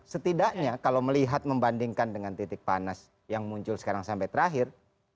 setidaknya kalau melihat membandingkan dengan titik panas yang muncul sekarang sampai terakhir